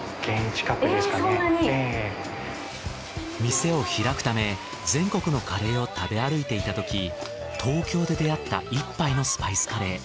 店を開くため全国のカレーを食べ歩いていたとき東京で出会った一杯のスパイスカレー。